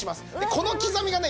このきざみがね